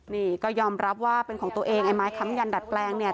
นี่ก็ยอมรับว่าเป็นของตัวเองไอ้ไม้ค้ำยันดัดแปลงเนี่ย